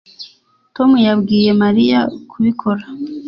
Tom yabwiye Mariya kubikora